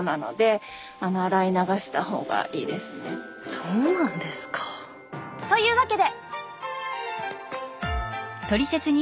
そうなんですか。というわけで！